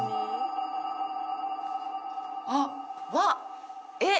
あっわあえっ？